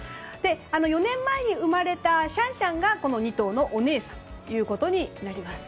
４年前に生まれたシャンシャンがこの２頭のお姉さんになります。